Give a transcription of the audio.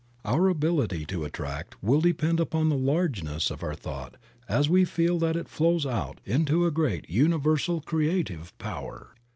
Our ability to attract will depend upon the largeness of our thought as we feel that it flows out into a great Universal Creative Power.